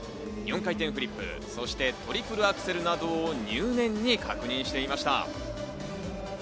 ４回転フリップ、そしてトリプルアクセルなどを入念に確認していました。